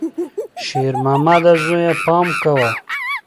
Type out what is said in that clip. شېرمامده زویه، پام کوه!